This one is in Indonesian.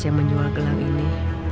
yang menjual gelang ini